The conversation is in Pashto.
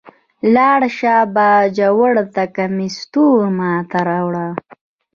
لاړ شه باجوړ ته کمیس تور ما ته راوړئ.